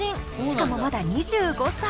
しかもまだ２５歳。